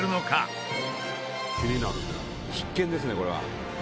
伊達：必見ですね、これは。